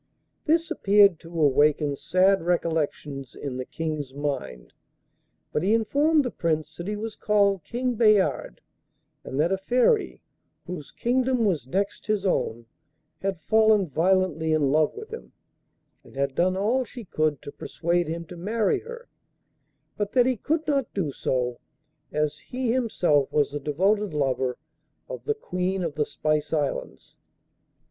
This appeared to awaken sad recollections in the King's mind, but he informed the Prince that he was called King Bayard, and that a Fairy, whose kingdom was next his own, had fallen violently in love with him, and had done all she could to persuade him to marry her; but that he could not do so as he himself was the devoted lover of the Queen of the Spice Islands.